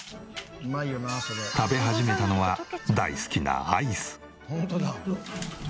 食べ始めたのは大好きなアイス。